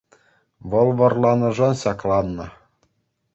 Вӑл вӑрланӑшӑн ҫакланнӑ.